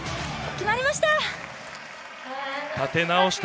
決まりました。